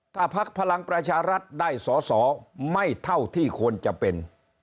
ถ้าพักพลังประชารัฐได้สอสอไม่เท่าที่ควรจะเป็น